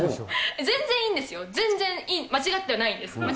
全然いいんですよ、全然いい、間違ってはないんです。